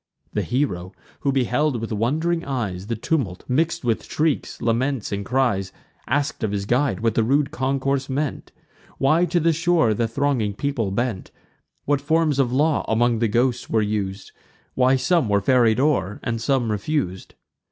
The hero, who beheld with wond'ring eyes The tumult mix'd with shrieks, laments, and cries, Ask'd of his guide, what the rude concourse meant; Why to the shore the thronging people bent; What forms of law among the ghosts were us'd; Why some were ferried o'er, and some refus'd.